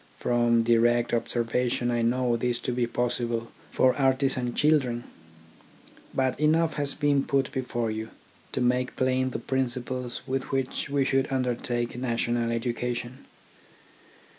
From direct observation I know this to be possible for artisan children. But enough has been put before you, to make plain the principles with which we should under take national education.